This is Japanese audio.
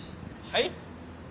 はい？